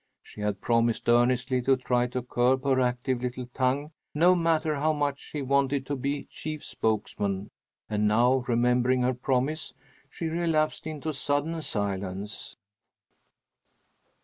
She had promised earnestly to try to curb her active little tongue, no matter how much she wanted to be chief spokesman, and now, remembering her promise, she relapsed into sudden silence.